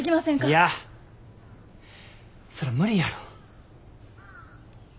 いやそら無理やろ。